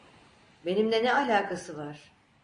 Benimle ne alakası var?